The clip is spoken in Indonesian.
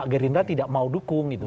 gerindra tidak mau dukung gitu